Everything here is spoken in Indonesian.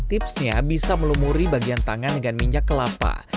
tipsnya bisa melumuri bagian tangan dengan minyak kelapa